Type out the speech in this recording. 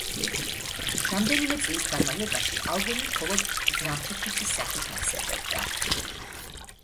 რამდენიმე წლის განმავლობაში ალბომი მხოლოდ გრამფირფიტის სახით არსებობდა.